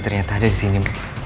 ternyata ada disini